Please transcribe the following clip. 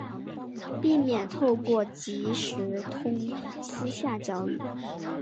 避免透过即时通私下交易